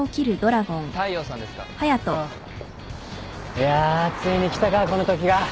いやついに来たかこのときが。